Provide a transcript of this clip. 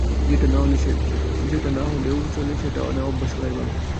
যেটা না হলেও চলে সেটা না অভ্যাস করাই ভালো।